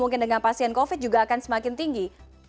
mungkin dengan pasien covid juga akan semakin tinggi